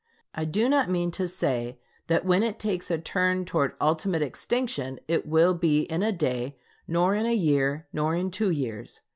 I do not mean to say that when it takes a turn towards ultimate extinction it will be in a day, nor in a year, nor in two years.